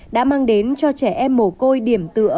đã mang đến cho trẻ em mồ côi điểm tựa về vật chất